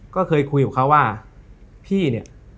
ก็เคยคุยกับเขาว่าพี่เนี่ย